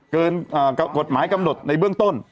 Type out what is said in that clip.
เกินกฎหมายกำหนดในเบื้องต้น